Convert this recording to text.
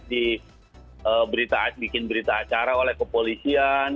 di bikin berita acara oleh kepolisian